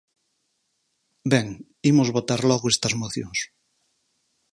Ben, imos votar logo estas mocións.